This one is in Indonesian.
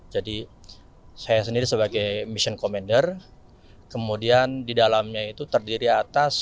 saya sendiri sebagai mission commander kemudian di dalamnya itu terdiri atas